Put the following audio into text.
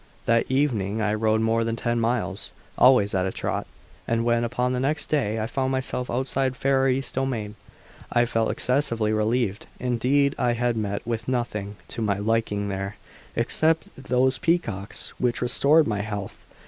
IX THAT evening I rode more than ten miles, always at a trot; and when, upon the next day, I found myself outside the Ferrarese domain, I felt excessively relieved; indeed I had met with nothing to my liking there, except those peacocks which restored my health.